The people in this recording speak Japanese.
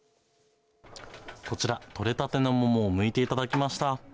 こちら、とれたてのももをむいていただきました。